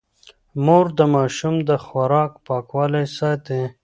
مور د ماشوم د خوراک پاکوالی ساتي.